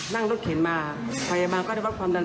นั่งรถเข็นมาพยาบาลก็ได้รับความดัน